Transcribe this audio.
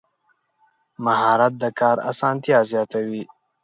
مهارت د کار اسانتیا زیاتوي.